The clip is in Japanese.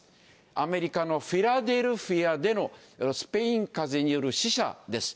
アメリカのフィラデルフィアでのスペイン風邪による死者です。